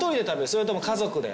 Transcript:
それとも家族で？